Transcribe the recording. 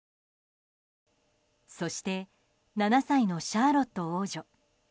そして７歳のシャーロット王女。